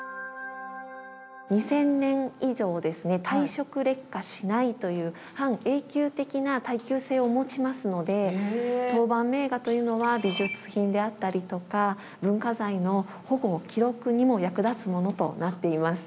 これにでもという半永久的な耐久性を持ちますので陶板名画というのは美術品であったりとか文化財の保護・記録にも役立つものとなっています。